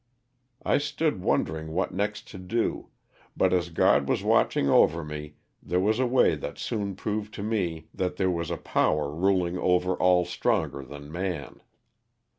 I stood wondering what next to do, but as God was watching over me there was a way that soon proved to me that there was a power ruling over all stronger than man.